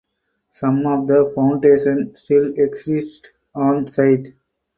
Some of the foundations still exist onsite.